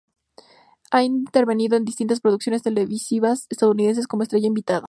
Ha intervenido en distintas producciones televisivas estadounidenses como estrella invitada.